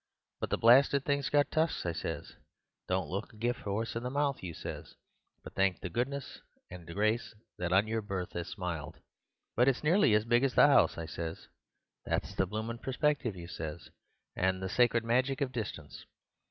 '—'But the blasted thing's got tusks,' I says.—'Don't look a gift 'orse in the mouth,' you says, 'but thank the goodness and the graice that on your birth 'as smiled.'—'But it's nearly as big as the 'ouse,' I says.—'That's the bloomin' perspective,' you says, 'and the sacred magic of distance.